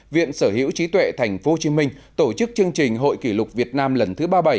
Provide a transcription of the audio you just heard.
viện sở hữu trí tuệ tp hcm tổ chức chương trình hội kỷ lục việt nam lần thứ ba mươi bảy